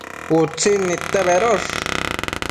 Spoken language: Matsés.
Utsin nidte bedosh